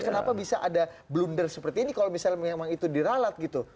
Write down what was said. kenapa bisa ada blunder seperti ini kalau misalnya memang itu diralat gitu